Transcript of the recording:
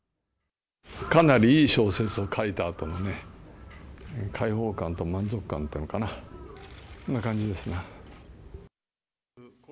かなりいい小説を書いたあとのね、解放感と満足感というのかな、そんな感じですな。